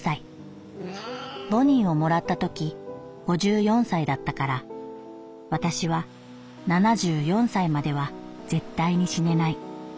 ボニーをもらったとき五十四歳だったから私は七十四歳までは絶対に死ねない。